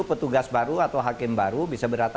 petugas baru atau hakim baru bisa berat